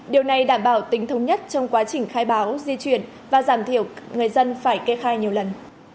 điều này đảm bảo tính thống nhất trong quá trình khai báo di chuyển và giảm thiểu người dân phải kê khai nhiều lần